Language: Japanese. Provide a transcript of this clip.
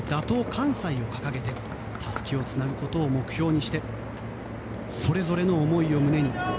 ・関西を掲げてたすきをつなぐことを目標にしてそれぞれの思いを胸に。